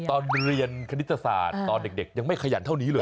ตอนเรียนคณิตศาสตร์ตอนเด็กยังไม่ขยันเท่านี้เลย